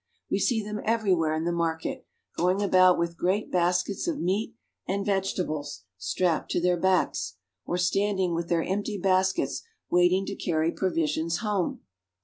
We see them everywhere in the market, going about with great baskets of meat and vegetables strapped to their backs, or standing with their empty baskets waiting to carry provisions home.